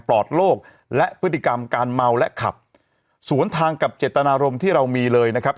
ปลอดโลกและพฤติกรรมการเมาและขับสวนทางกับเจตนารมณ์ที่เรามีเลยนะครับ